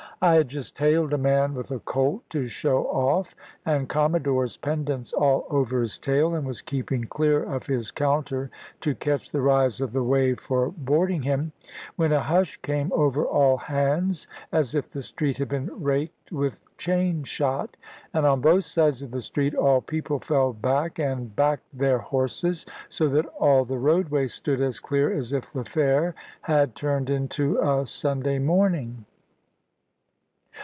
I had just hailed a man with a colt to show off, and commodore's pendants all over his tail, and was keeping clear of his counter to catch the rise of the wave for boarding him, when a hush came over all hands as if the street had been raked with chain shot. And on both sides of the street all people fell back and backed their horses, so that all the roadway stood as clear as if the fair had turned into a Sunday morning.